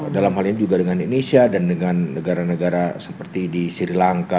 dalam hal ini juga dengan indonesia dan dengan negara negara seperti di sri lanka